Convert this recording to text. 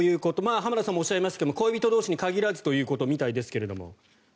浜田さんもおっしゃいましたが恋人同士に限らずということみたいですが。